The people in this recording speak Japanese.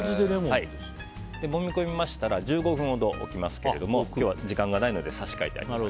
もみ込みましたら１５分ほど置きますけれども今日は時間がないので差し替えます。